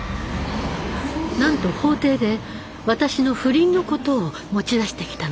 なんと法廷で私の不倫のことを持ち出してきたのです。